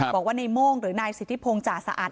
บอกว่าในโม่งหรือนายสิทธิพงศ์จ่าสะอาด